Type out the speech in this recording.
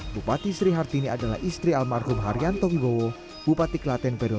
bupati sri hartini adalah istri almarhum haryanto hibowo bupati klaten periode dua ribu dua ribu lima